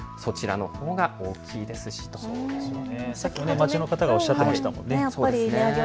街の方がおっしゃっていましたもんね。